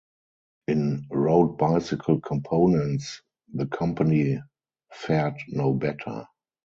In road bicycle components, the company fared no better.